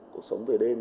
cuộc sống về đêm